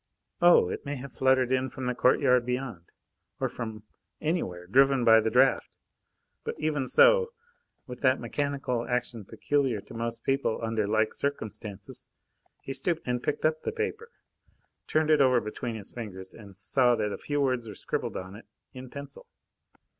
Oh! it may have fluttered in from the courtyard beyond, or from anywhere, driven by the draught. But, even so, with that mechanical action peculiar to most people under like circumstances, he stooped and picked up the paper, turned it over between his fingers, and saw that a few words were scribbled on it in pencil.